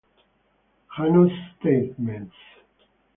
János Steinmetz